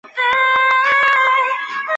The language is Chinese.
祖父王思与。